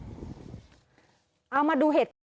เอามาดูเหตุการณ์